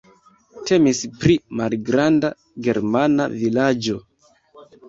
Temis pri malgranda germana vilaĝo.